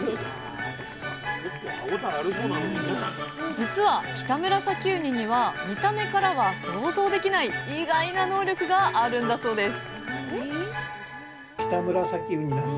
実はキタムラサキウニには見た目からは想像できない意外な能力があるんだそうです